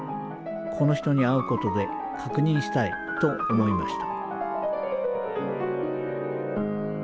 この人に会うことで確認したいと思いました。